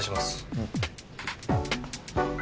うん。